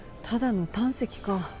ただの胆石か。